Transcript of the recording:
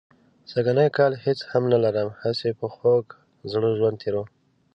سږنی کال هېڅ هم نه لرم، هسې په خوږ زړه ژوند تېروم.